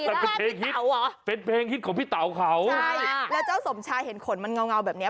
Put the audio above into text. แต่เป็นเพลงฮิตเขาเหรอเป็นเพลงฮิตของพี่เต๋าเขาใช่แล้วเจ้าสมชายเห็นขนมันเงาแบบเนี้ย